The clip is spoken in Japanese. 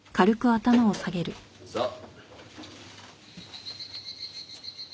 さあ。